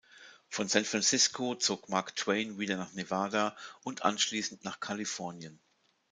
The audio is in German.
Von San Francisco zog Mark Twain wieder nach Nevada und anschließend nach Kalifornien.